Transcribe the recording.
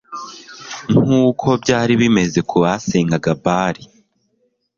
nkuko byari bimeze ku basengaga Bali